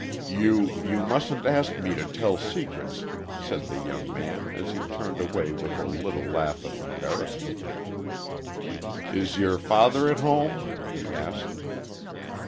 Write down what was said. "You you mustn't ask me to tell secrets," said the young man, as he turned away with a little laugh of embarrassment. "Is your father at home?" he asked.